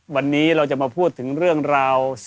วันนี้เราจะมาพูดถึงเรื่องราว